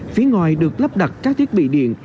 phía ngoài được lắp đặt các thiết bị điện